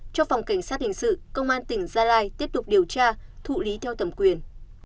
cho phòng cảnh sát hình sự công an tỉnh gia lai tiếp tục điều tra thụ lý theo thẩm quyền